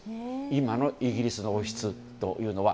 今のイギリスの王室というのは。